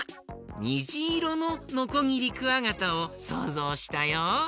にじいろのノコギリクワガタをそうぞうしたよ。